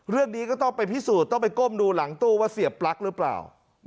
เรื่องนี้ก็ต้องไปพิสูจน์ต้องไปก้มดูหลังตู้ว่าเสียปลั๊กหรือเปล่า